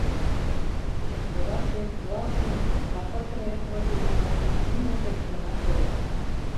Леваш ден пуалтыме да пырчым эрыктыме тӱрлӧ машина ӱмыл семын гына койыт.